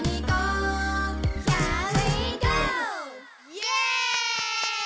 イエイ！